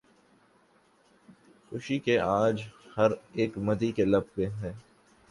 خوشا کہ آج ہر اک مدعی کے لب پر ہے